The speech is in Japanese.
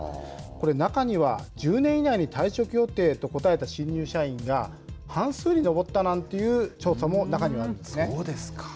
これ、中には、１０年以内に退職予定と答えた新入社員が半数に上ったなんていうそうですか。